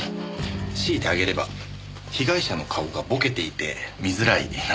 強いて挙げれば被害者の顔がぼけていて見づらいなんて。